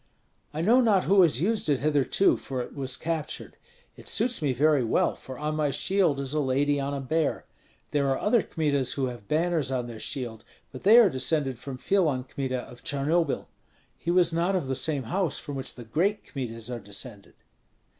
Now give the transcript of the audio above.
"I know not who has used it hitherto, for it was captured. It suits me very well, for on my shield is a lady on a bear. There are other Kmitas who have banners on their shield, but they are descended from Filon Kmita of Charnobil; he was not of the same house from which the great Kmitas are descended."